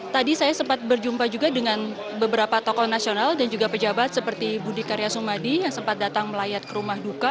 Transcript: tadi saya sempat berjumpa juga dengan beberapa tokoh nasional dan juga pejabat seperti budi karya sumadi yang sempat datang melayat ke rumah duka